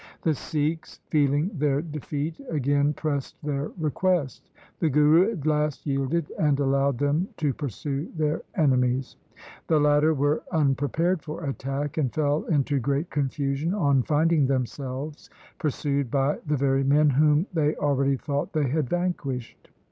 The Sikhs feeling their defeat, again pressed their request. The Guru at last yielded, and allowed them to pursue their enemies. The latter were un prepared for attack, and fell into great confusion on finding themselves pursued by the very men whom they already thought they had vanquished.